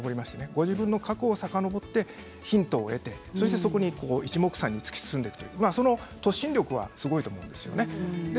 ご自分の過去をさかのぼってヒントを得てそこに、いちもくさんに突き進んでいく突進力がすごいと思います。